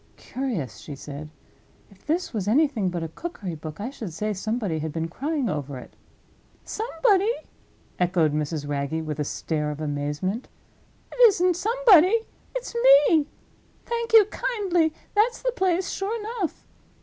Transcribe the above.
"Curious!" she said. "If this was anything but a cookery book, I should say somebody had been crying over it." "Somebody?" echoed Mrs. Wragge, with a stare of amazement. "It isn't somebody—it's Me. Thank you kindly, that's the place, sure enough.